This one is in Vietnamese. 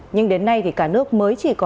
nhưng đến nay cả nước mới chỉ có